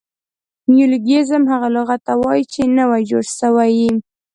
نیولوګیزم هغه لغت ته وایي، چي نوي جوړ سوي يي.